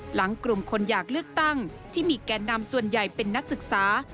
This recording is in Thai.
หลังกลุ่มคนอยากเลือกตั้งที่มีแก่นำส่วนใหญ่เป็นนักศึกษา